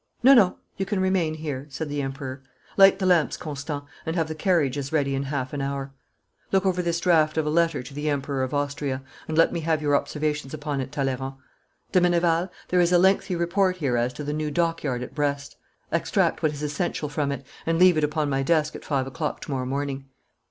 'No, no, you can remain here,' said the Emperor. 'Light the lamps, Constant, and have the carriages ready in half an hour. Look over this draft of a letter to the Emperor of Austria, and let me have your observations upon it, Talleyrand. De Meneval, there is a lengthy report here as to the new dockyard at Brest. Extract what is essential from it, and leave it upon my desk at five o'clock to morrow morning.